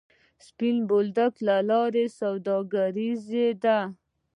د سپین بولدک لاره سوداګریزه ده